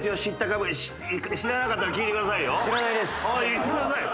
言ってくださいよ。